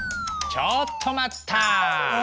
ちょっと待った！え？